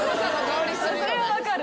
それは分かる。